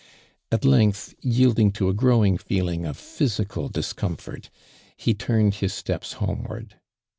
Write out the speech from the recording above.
At length yielding to a growing feeling of phy sical discomfort he turneil his steps home ward.